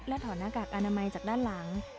ถอดหน้ากากอนามัยจากด้านหลัง